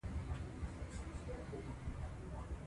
لا په غاړه د لوټونو امېلونه